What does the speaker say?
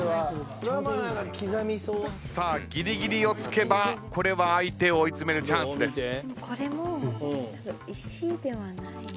さあギリギリをつけばこれは相手を追い詰めるチャンスです。